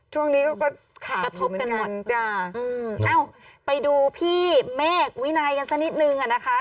ช่วงนี้ก็ขาดอยู่เหมือนกันจ้าไปดูไปดูพี่เมฆวินัยกันซะนิดนึงนะคะ